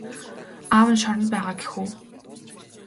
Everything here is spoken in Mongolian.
Аав нь шоронд байгаа гэх үү?